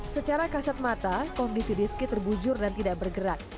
secara kasat mata kondisi rizky terbujur dan tidak bergerak